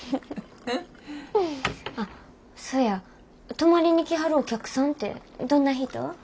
あっそや泊まりに来はるお客さんてどんな人？